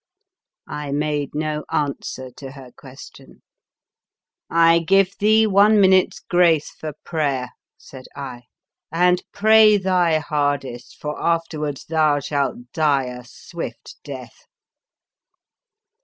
" I made no answer to her question. " I give thee one minute's grace for prayer, '' said I ;" and pray thy hard est, for afterwards thou shalt die a swift death."